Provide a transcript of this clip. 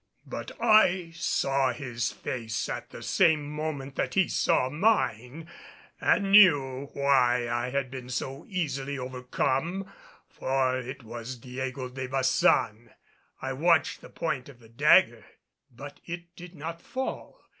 But I saw his face at the same moment that he saw mine; and knew why I had been so easily overcome, for it was Don Diego de Baçan! I watched the point of the dagger; but it did not fall.